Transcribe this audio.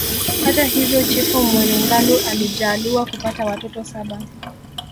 Hata hivyo Chifu Mwene Ngalu alijaaliwa kupata watoto saba